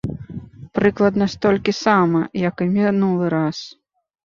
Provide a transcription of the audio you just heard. Прыкладна столькі сама, як і мінулы раз.